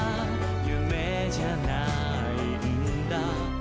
夢じゃないんだ